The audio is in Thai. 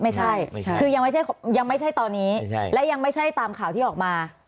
ไม่ใช่คือยังไม่ใช่ยังไม่ใช่ตอนนี้และยังไม่ใช่ตามข่าวที่ออกมา